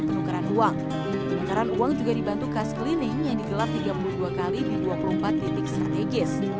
penukaran uang penukaran uang juga dibantu kas cleaning yang digelar tiga puluh dua kali di dua puluh empat titik strategis